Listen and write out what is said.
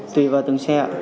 tùy vào từng xe ạ